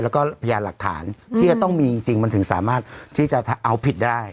แล้วก็พยานหลักฐานที่จะต้องมีจริงมันถึงสามารถที่จะเอาผิดได้